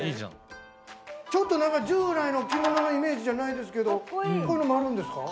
ちょっと何か従来の着物のイメージじゃないですけどこういうのもあるんですか？